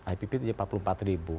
ipp aja empat puluh empat ribu